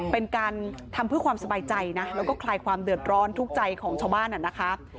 เป็นการทำเพื่อความสบายใจนะแล้วก็คลายความเดือดร้อนทุกข์ใจของชาวบ้านนะคะ